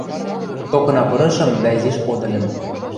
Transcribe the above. Токына пырышым дӓ изиш подыльым...